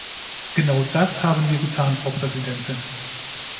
Genau das haben wir getan, Frau Präsidentin!